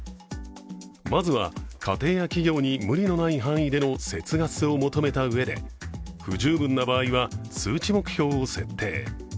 まずは、家庭や企業に無理のない範囲での節ガスを求めたうえで不十分な場合は、数値目標を設定。